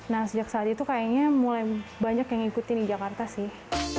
nah sejak saat itu kayaknya mulai banyak yang ngikutin di jakarta sih